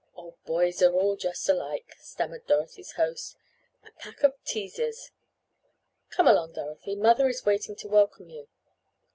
"Oh, boys are all just alike," stammered Dorothy's host. "A pack of teases! Come along Dorothy. Mother is waiting to welcome you.